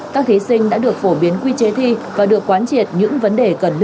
các thí sinh đã được phổ biến quy chế thi và được quán triệt những vấn đề cần thiết